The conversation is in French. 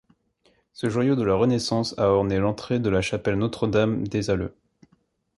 Ce joyau de la Renaissance a orné l'entrée de la chapelle Notre-Dame des Alleux.